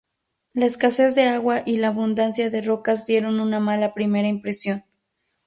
La escasez de agua y la abundancia de rocas dieron una mala primera impresión.